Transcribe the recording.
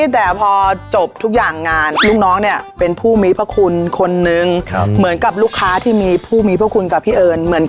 แต่พอจบทุกอย่างงานลูกน้องเนี่ยเป็นผู้มีพระคุณคนนึงเหมือนกับลูกค้าที่มีผู้มีพระคุณกับพี่เอิญ